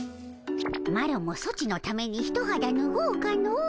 マロもソチのためにひとはだぬごうかの。